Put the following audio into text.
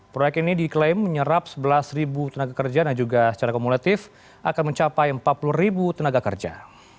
proyek ini diklaim menyerap sebelas tenaga kerja dan juga secara kumulatif akan mencapai empat puluh ribu tenaga kerja